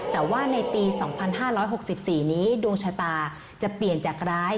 แต่ว่าในปี๒๕๖๔นี้ดวงชะตาจะเปลี่ยนจากร้าย